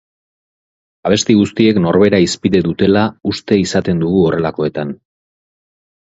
Abesti guztiek norbera hizpide dutela uste izaten dugu horrelakoetan.